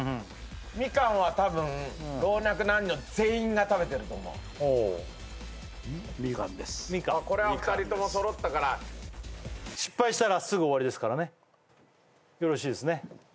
みかんは多分老若男女全員が食べてると思うほおみかんですみかんみかんです失敗したらすぐ終わりですからねよろしいですね？